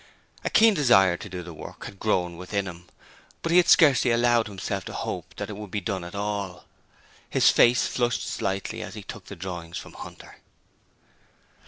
A keen desire to do the work had grown within him, but he had scarcely allowed himself to hope that it would be done at all. His face flushed slightly as he took the drawings from Hunter.